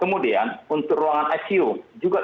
ini di air blackbox